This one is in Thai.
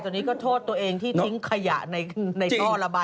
ตอนนี้ก็โทษตัวเองที่ทิ้งขยะในท่อระบาย